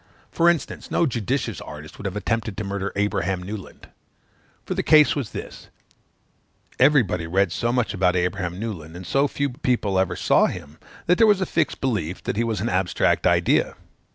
For instance, no judicious artist would have attempted to murder Abraham Newland. For the case was this; everybody read so much about Abraham Newland, and so few people ever saw him, that there was a fixed belief that he was an abstract idea.